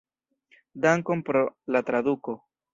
Dankon pro la traduko.